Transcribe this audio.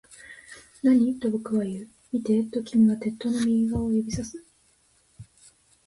何？と僕は言う。見て、と君は鉄塔の右側を指差す